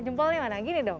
jempolnya mana gini dong